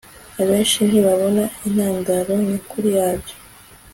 abenshi ntibabona intandaro nyakuri yabyo